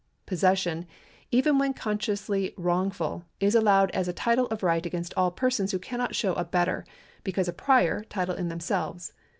Possession, even when consciously wrongful, is allowed as a title of right against all persons who cannot show a better, because a prior, title in themselves.